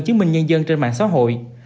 chứng minh nhân dân trên mạng xã hội